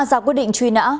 giả quyết định truy nã